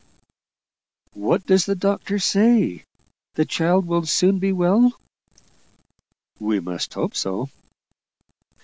"What does the doctor say? The child will soon be well?" "We must hope so."